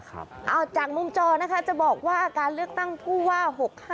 เอาจากมุมจอนะคะจะบอกว่าการเลือกตั้งผู้ว่า๖๕